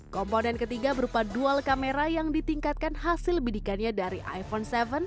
komponen ketiga berupa dual kamera yang ditingkatkan hasil bidikannya dari iphone tujuh